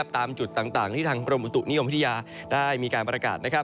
ตามจุดต่างที่ทางกรมอุตุนิยมวิทยาได้มีการประกาศ